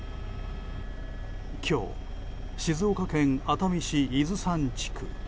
今日静岡県熱海市伊豆山地区。